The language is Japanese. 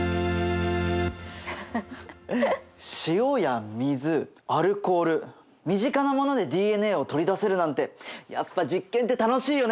塩や水アルコール身近なものでＤＮＡを取り出せるなんてやっぱ実験って楽しいよね！